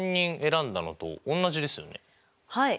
はい。